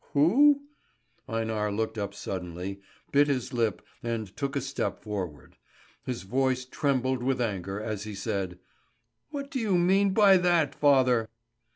"Who?" Einar looked up suddenly, bit his lip and took a step forward. His voice trembled with anger as he said: "What do you mean by that, father?"